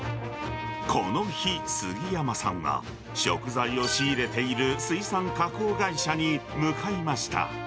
この日、杉山さんは食材を仕入れている水産加工会社に向かいました。